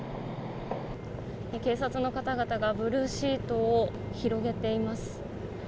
警察の方々がブルーシートを広げています。